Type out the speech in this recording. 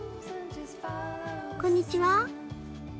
こんにちは。